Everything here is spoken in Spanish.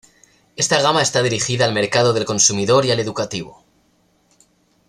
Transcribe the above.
Esta gama está dirigida al mercado del consumidor y al educativo.